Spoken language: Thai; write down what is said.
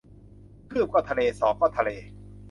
คืบก็ทะเล ศอกก็ทะเล